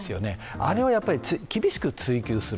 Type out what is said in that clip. あれを、厳しく追及する。